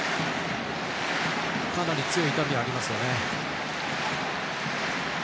かなり強い痛みはありますよね。